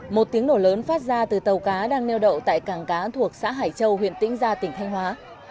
một tiếng nổ lớn phát ra từ tàu cá đang neo đậu tại cảng cá thuộc xã hải châu huyện tĩnh gia tỉnh thanh hóa